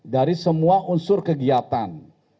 dari semua unsur kegiatan